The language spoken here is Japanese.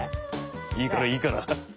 いいからいいから。